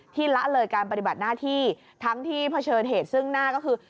ละเลยการปฏิบัติหน้าที่ทั้งที่เผชิญเหตุซึ่งหน้าก็คือ